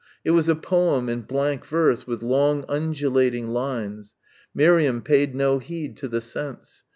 It was a poem in blank verse with long undulating lines. Miriam paid no heed to the sense.